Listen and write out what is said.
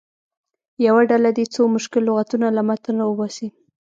یوه ډله دې څو مشکل لغتونه له متن راوباسي.